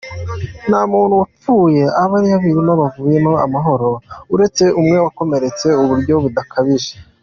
Nta muntu wapfuye, abari bayirimo bavuyemo amahoro uretse umwe wakomeretse kuburyo budakabije.